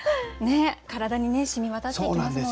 体に染み渡っていきますもんね。